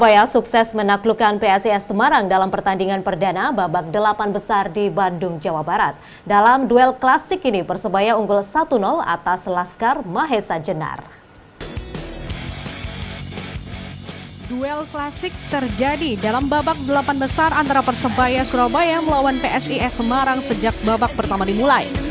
duel klasik terjadi dalam babak delapan besar antara persebaya surabaya melawan psis semarang sejak babak pertama dimulai